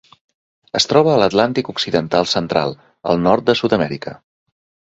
Es troba a l'Atlàntic occidental central: el nord de Sud-amèrica.